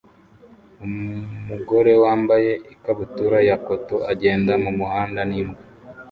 Umugore wambaye ikabutura ya coton agenda mumuhanda n'imbwa